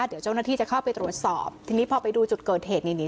เดี๋ยวเจ้าหน้าที่จะเข้าไปตรวจสอบทีนี้พอไปดูจุดเกิดเหตุนี่นี่